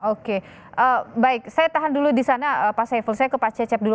oke baik saya tahan dulu di sana pak saiful saya ke pak cecep dulu